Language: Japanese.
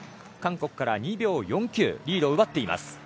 韓国から２秒４９リードを奪っています。